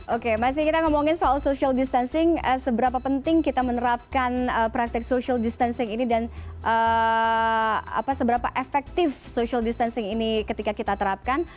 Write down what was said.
oke masih kita ngomongin soal social distancing seberapa penting kita menerapkan praktek social distancing ini dan seberapa efektif social distancing ini ketika kita terapkan